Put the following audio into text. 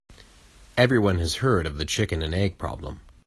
Everyone has heard of the chicken and egg problem.